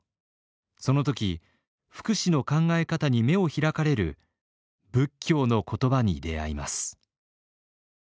その時福祉の考え方に目を開かれる仏教の言葉に出会います。